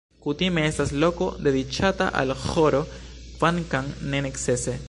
Kutime estas loko dediĉata al ĥoro, kvankam ne necese.